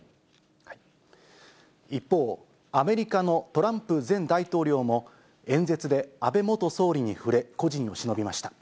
一方、アメリカのトランプ前大統領も演説で安倍元総理に触れ、故人をしのびました。